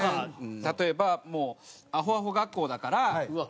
例えばもうアホアホ学校だから。